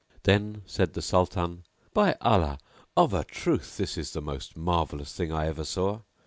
Then said the Sultan, "By Allah, of a truth this is the most marvellous thing I ever saw!